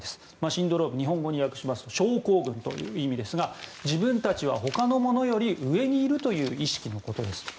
シンドローム、日本語に訳すと症候群という意味ですが自分たちはほかの者より上にいるという意識のことですと。